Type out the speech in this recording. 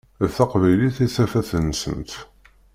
D taqbaylit i d tafat-nsent.